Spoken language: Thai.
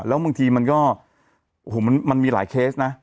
แล้วบางทีมันก็โอ้โหมันมีหลายเคสนะ